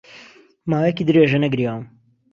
ماوەیەکی درێژە نەگریاوم.